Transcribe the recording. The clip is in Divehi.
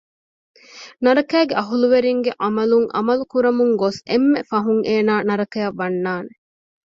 ނަރަކައިގެ އަހުލުވެރިންގެ ޢަމަލުން ޢަމަލު ކުރަމުން ގޮސް އެންމެ ފަހުން އޭނާ ނަރަކައަށް ވަންނާނެ